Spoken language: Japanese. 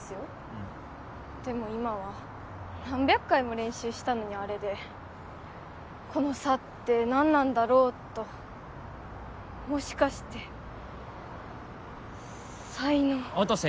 うんでも今は何百回も練習したのにあれでこの差って何なんだろうともしかして才能音瀬